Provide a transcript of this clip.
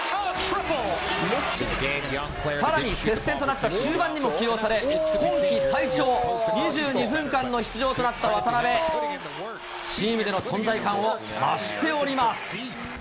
さらに接戦となった終盤にも起用され、今季最長、２２分間の出場となった渡邊、チームでの存在感を増しております。